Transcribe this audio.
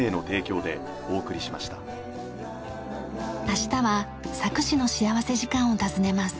明日は佐久市の幸福時間を訪ねます。